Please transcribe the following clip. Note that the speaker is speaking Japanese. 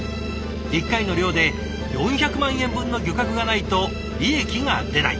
一回の漁で４００万円分の漁獲がないと利益が出ない。